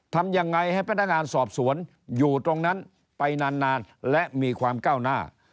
ทำยังไงให้พนักงานสอบสวนอยู่ตรงนั้นไปนานและมีความก้าวหน้า